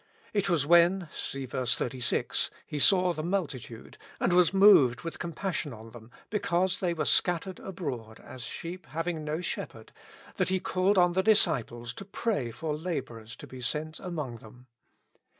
It was when (see ver. 36) "He saw the multitude, and was moved with compassion on them, because the)' were scattered abroad, as sheep having no shepherd," that He called on the disciples to pray for laborers to be sent among them.